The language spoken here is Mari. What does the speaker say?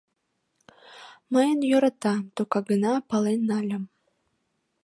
Мыйым йӧрата, тока гына пален нальым.